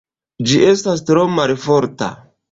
Ĝi estas tro malforta.